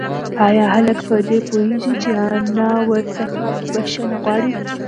ایا هلک په دې پوهېږي چې انا ورڅخه بښنه غواړي؟